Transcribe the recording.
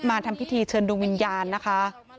มาทำพิธีเชิญดวงวิญญาณนะคะ